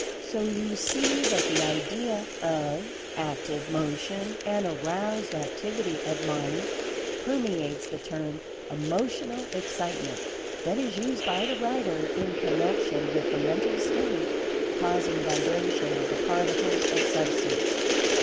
So you see that the idea of Active Motion, and Aroused Activity, of Mind, permeates the term "Emotional Excitement," that is used by the writer in connection with the Mental State causing vibration of the Particles of Substance.